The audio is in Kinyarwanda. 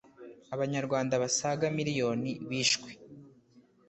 abanyarwanda basaga miliyoni bishwe